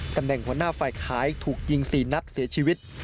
ตำแหน่งหัวหน้าฝ่ายขายถูกยิง๔นัดเสียชีวิต